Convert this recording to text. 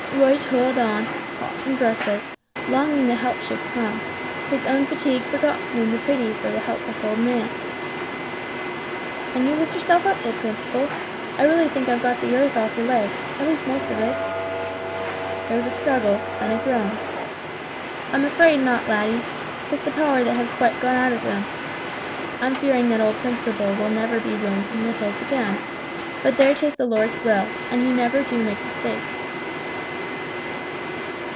Roy toiled on, hot and breathless, longing that help should come, his own fatigue forgotten in his pity for the helpless old man. "Can you lift yourself up, old Principle? I really think I've got the earth off your legs at least most of it!" There was a struggle, then a groan. "I'm afraid not, laddie. 'Tis the power that has quite gone out of them. I'm fearing that old Principle will be never roaming the hills again, but there 'tis the Lord's will, and He never do make mistakes."